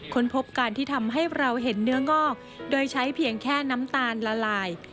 พบการที่ทำให้เราเห็นเนื้องอกโดยใช้เพียงแค่น้ำตาลละลาย